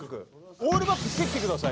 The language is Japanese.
オールバックしてきて下さい。